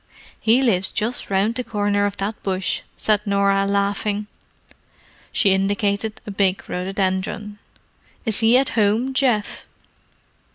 "He lives just round the corner of that bush," said Norah, laughing. She indicated a big rhododendron. "Is he at home, Geoff?"